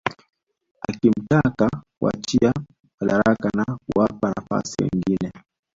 Akimtaka kuachia madaraka na kuwapa nafasi wengine